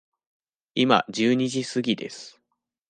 今十二時すぎです。